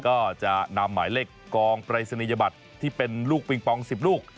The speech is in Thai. ก็จะนำหมายเลขกองปรายศนียบัตรที่เป็นลูกปิงปอง๑๐ลูก